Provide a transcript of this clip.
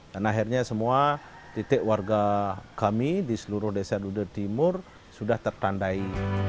dan akhirnya semua titik warga kami di seluruh desa duda timur sudah tertandai